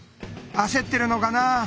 焦ってるのかなあ。